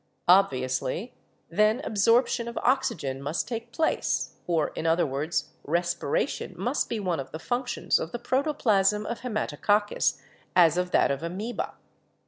Obvi ously then absorption of oxygen must take place, or in other words, respiration must be one of the functions of the protoplasm of Haematococcus as of that of Amoeba.